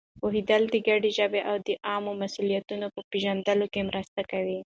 پوهېدل د ګډې ژبې او د عامو مسؤلیتونو په پېژندلو کې مرسته کوي.